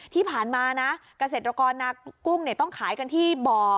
ที่ผ่านมานะกระเศรษฐรกรนักกุ้งเนี่ยต้องขายกันที่บ่อ